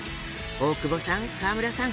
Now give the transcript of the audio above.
大久保さん川村さん。